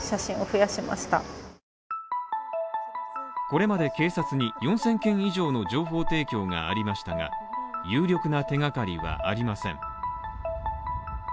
これまで警察に４０００件以上の情報提供がありましたが有力な手がかりはありません。